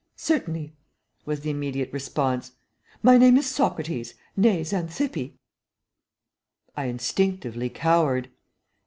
"Certainly," was the immediate response. "My name is Socrates, nee Xanthippe." I instinctively cowered.